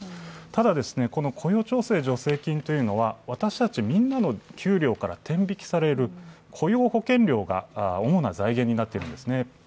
ただ、雇用調整助成金というのは私たちみんなの給料から天引きされる雇用保険料主な財源になっているんですね。